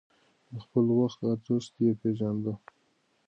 د خپل وخت ارزښت يې پېژانده.